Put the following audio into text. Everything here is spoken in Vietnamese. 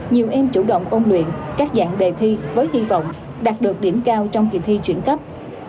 nhiều em chủ động ôn luyện các dạng đề thi với hy vọng đạt được điểm cao trong kỳ thi chuyển cấp